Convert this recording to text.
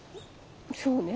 そうね。